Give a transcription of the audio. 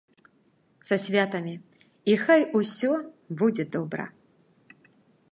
Са святамі, і хай усё будзе добра.